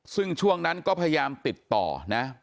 ซึ่งช่วงนั้นก็พยายามติดต่อนะ